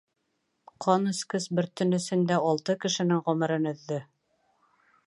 Ҡан эскес бер төн эсендә алты кешенең ғүмерен өҙҙө.